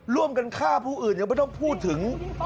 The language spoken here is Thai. ร่วมกันฆ่าผู้อื่นยังไม่ต้องพูดถึง